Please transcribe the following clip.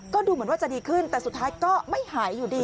ก็ดูเหมือนว่าจะดีขึ้นแต่สุดท้ายก็ไม่หายอยู่ดี